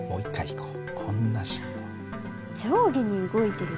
上下に動いてるだけ？